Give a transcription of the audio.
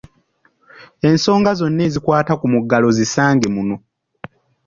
Ensonga zonna ezikwata ku muggalo zisange muno.